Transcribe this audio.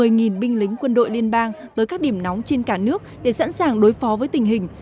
tổng thống trump đã đưa một sáu trăm linh binh lính quân đội liên bang tới các điểm nóng trên cả nước để sẵn sàng đối phó với tình hình